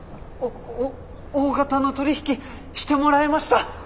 おお大型の取り引きしてもらえました！